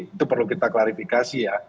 itu perlu kita klarifikasi ya